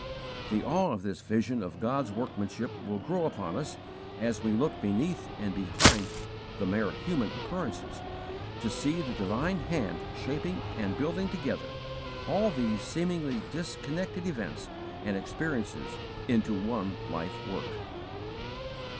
The awe of this vision of God's workmanship will grow upon us as we look beneath and behind the mere human occurrences to see the divine Hand shaping and building together all these seemingly disconnected events and experiences into one life work.